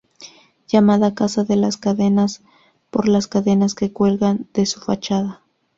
Llamada Casa de las Cadenas por las cadenas que cuelgan de su fachada.